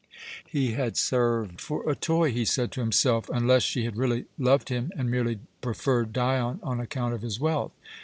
] He had served for a toy, he said to himself, unless she had really loved him and merely preferred Dion on account of his wealth.